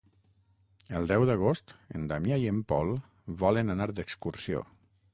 El deu d'agost en Damià i en Pol volen anar d'excursió.